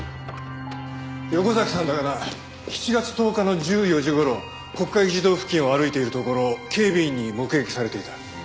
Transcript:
横崎さんだがな７月１０日の１４時頃国会議事堂付近を歩いているところを警備員に目撃されていた。